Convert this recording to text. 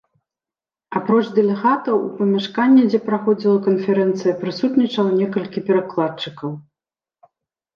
Апроч дэлегатаў, у памяшканні, дзе праходзіла канферэнцыя, прысутнічала некалькі перакладчыкаў.